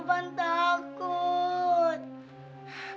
jangan takut deh